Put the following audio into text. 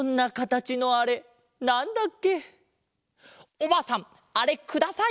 おばあさんあれください！